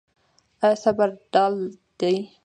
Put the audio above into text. آیا صبر ډال دی؟